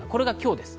これが今日です。